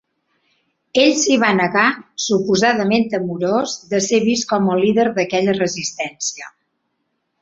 Ell s'hi va negar, suposadament temorós de ser vist com el líder d'aquella resistència.